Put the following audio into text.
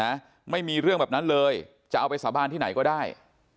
นะไม่มีเรื่องแบบนั้นเลยจะเอาไปสาบานที่ไหนก็ได้